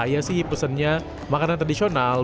saya sih pesennya makanan tradisional